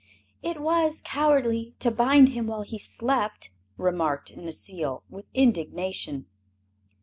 "It was cowardly to bind him while he slept," remarked Necile, with indignation.